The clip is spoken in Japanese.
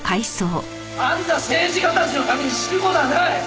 あんな政治家たちのために死ぬ事はない！